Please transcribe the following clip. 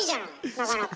なかなか。